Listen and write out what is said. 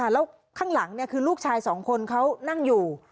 แล้วข้างหลังคือลูกชายสองคนเขานั่งอยู่